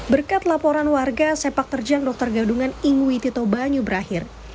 berkat laporan warga sepak terjang dokter gadungan ingui tito banyu berakhir